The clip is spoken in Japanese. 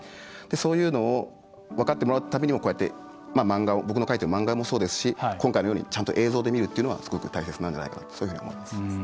そういうのを分かってもらうためにもこうやって僕が描いてる漫画もそうですし今回のようにちゃんと映像で見るっていうのはすごく大切なんじゃないかとそういうふうに思います。